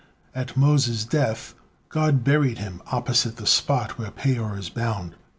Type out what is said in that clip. At Moses' death, God buried him opposite the spot where Peor is bound.